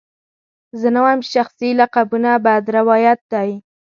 زه نه وایم چې شخصي لقبونه بد روایت دی.